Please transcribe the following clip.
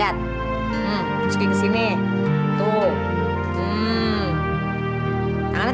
karena presidential malam